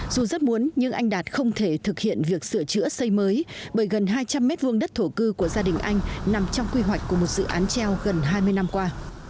dù rất muốn nhưng anh đạt không thể thực hiện việc sửa chữa xây mới bởi gần hai trăm linh m hai đất thổ cư của gia đình anh nằm trong quy hoạch của một dự án treo gần hai mươi năm qua